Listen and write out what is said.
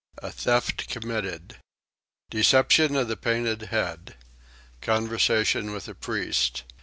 A theft committed. Deception of the painted Head. Conversation with a Priest.